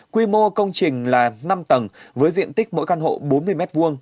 quy mô công trình là năm tầng với diện tích mỗi căn hộ bốn mươi m hai